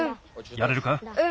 やれるか？